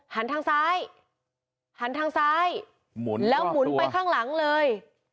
หันทางซ้ายหันทางซ้ายหมุนแล้วหมุนไปข้างหลังเลย